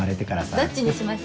どっちにします？